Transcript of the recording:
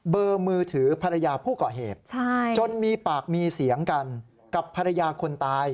มือถือภรรยาผู้ก่อเหตุจนมีปากมีเสียงกันกับภรรยาคนตาย